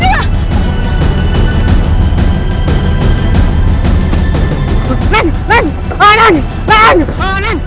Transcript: lan pembulan lan lan